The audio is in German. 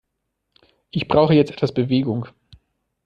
Ich brauche jetzt etwas Bewegung.